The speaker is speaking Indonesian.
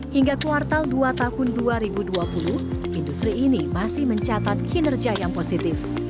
hingga kuartal dua tahun dua ribu dua puluh industri ini masih mencatat kinerja yang positif